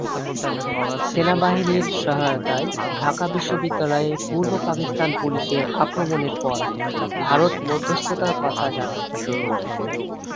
সেনাবাহিনীর সহায়তায় ঢাকা বিশ্ববিদ্যালয়ে পূর্ব পাকিস্তান পুলিশের আক্রমণের পর ভারত মধ্যস্থতার কথা জানায়।